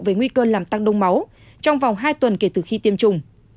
về nguy cơ làm tăng đông máu trong vòng hai tuần kể từ khi tiêm chủng